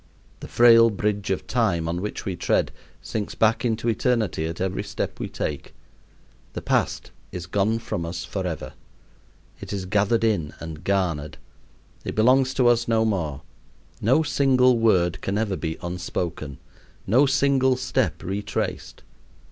The frail bridge of time on which we tread sinks back into eternity at every step we take. The past is gone from us forever. It is gathered in and garnered. It belongs to us no more. No single word can ever be unspoken; no single step retraced.